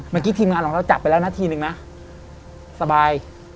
เมื่อกี้ทีมงานเราจับไปแล้วนะทีนึงนะสบาย